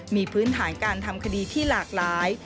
มีพื้นฐานการทำคดีที่หลากหลาย